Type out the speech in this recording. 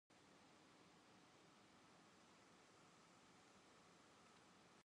Siap lepas landas.